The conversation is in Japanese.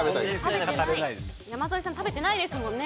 山添さん食べてないですもんね。